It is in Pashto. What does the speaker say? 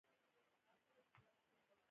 هلته رښتیا څرګندېږي.